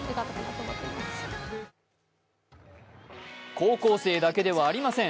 高校生だけではありません。